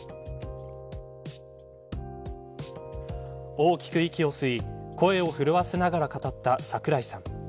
大きく息を吸い声を震わせながら語った櫻井さん。